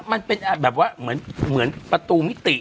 มันเป็นแบบว่าเหมือนประตูมิติ